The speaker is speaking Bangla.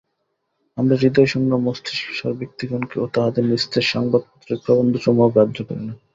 আমরা হৃদয়শূন্য মস্তিষ্কসার ব্যক্তিগণকে ও তাহাদের নিস্তেজ সংবাদপত্রের প্রবন্ধসমূহও গ্রাহ্য করি না।